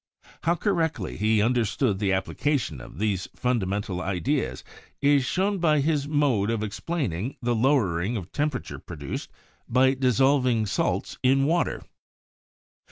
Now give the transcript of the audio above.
How correctly he understood the application of these fundamental ideas is shown by his mode of explaining the lowering of tem perature produced by dissolving salts in water.